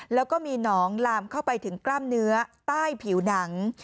แล้วก็มีหนองลามเข้าไปถึงกล้ามเนื้อใต้ผิวหนัง